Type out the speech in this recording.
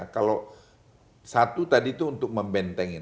kalau satu tadi itu untuk membentengin